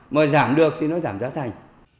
mà giảm được thì nó giảm giá thành